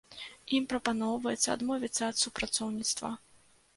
Ім прапаноўваецца адмовіцца ад супрацоўніцтва.